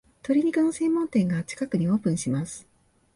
鶏肉の専門店が近くにオープンします